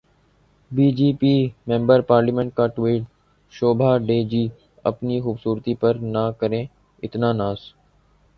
be J P member parliament کا tweet, Shobha De ji, اپنی خوبصورتی پر نہ کریں اتنا ناز